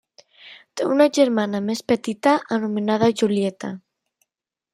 Té una germana més petita anomenada Julieta.